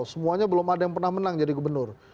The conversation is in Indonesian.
semuanya belum ada yang pernah menang jadi gubernur